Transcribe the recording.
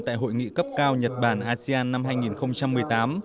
tại hội nghị cấp cao nhật bản asean năm hai nghìn một mươi tám